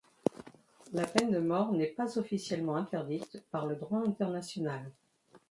La peine de mort n’est pas officiellement interdite par le droit international.